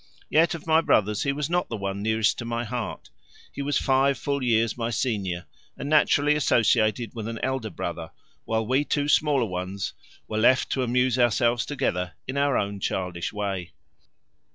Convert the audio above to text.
Yet of my brothers he was not the one nearest to my heart. He was five full years my senior, and naturally associated with an elder brother, while we two smaller ones were left to amuse ourselves together in our own childish way.